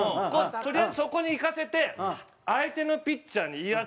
とりあえずそこに行かせて相手のピッチャーに威圧をかける。